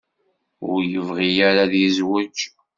Ur yebɣi ara ad yezweǧ.